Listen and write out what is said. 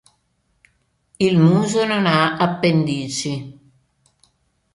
Il muso non ha appendici.